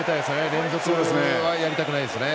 連続はやりたくないですね